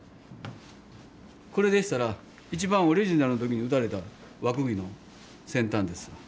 これでしたら一番オリジナルの時に打たれた和くぎの先端です。